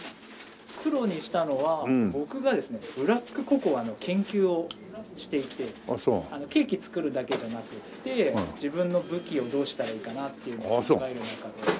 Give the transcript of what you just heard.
黒にしたのは僕がですねブラックココアの研究をしていてケーキ作るだけじゃなくって自分の武器をどうしたらいいかなっていうのを考える中で。